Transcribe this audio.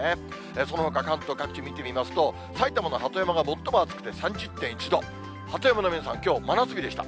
そのほか関東各地見てみますと、埼玉の鳩山が最も暑くて３０．１度、鳩山の皆さん、きょう、真夏日でした。